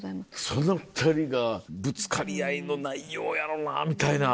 その２人がぶつかり合いの内容やろなみたいな。